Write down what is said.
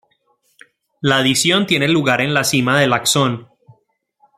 La adición tiene lugar en la cima del axón.